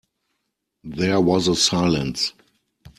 There was a silence.